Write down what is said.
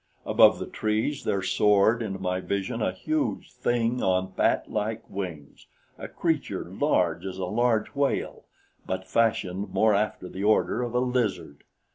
Above the trees there soared into my vision a huge thing on batlike wings a creature large as a large whale, but fashioned more after the order of a lizard.